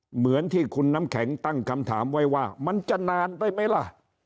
เหมือนที่คุณน้ำแข็งตั้งคำถามไว้ว่ามันจะนานไปไหมล่ะ